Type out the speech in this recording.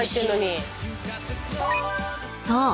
［そう。